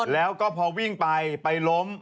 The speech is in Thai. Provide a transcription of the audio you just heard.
แล้วก็พอวิ่งไปไปล้ม